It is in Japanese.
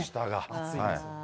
暑いです。